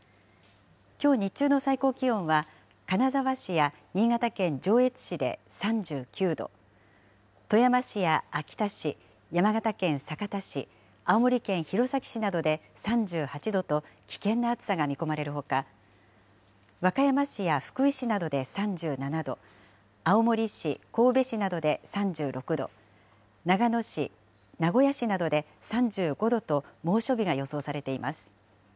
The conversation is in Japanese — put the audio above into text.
きょう日中の最高気温は、金沢市や新潟県上越市で３９度、富山市や秋田市、山形県酒田市、青森県弘前市などで３８度と、危険な暑さが見込まれるほか、和歌山市や福井市などで３７度、青森市、神戸市などで３６度、長野市、名古屋市などで３５度と猛暑日が予想されています。